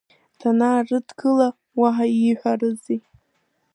Данаарыдгыла уаҳа ииҳәарызи.